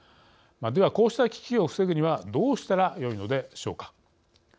では、こうした危機を防ぐにはどうしたらよいのでしょうか。